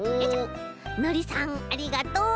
のりさんありがとう。